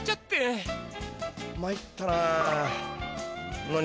まいったな。